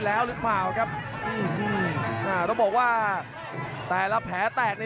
อื้อหือจังหวะขวางแล้วพยายามจะเล่นงานด้วยซอกแต่วงใน